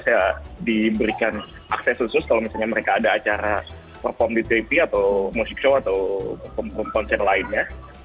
saya diberikan akses khusus kalau misalnya mereka ada acara perform di tv atau musik show atau konser lainnya